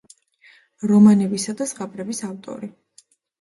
რომანებისა და ზღაპრების ავტორი.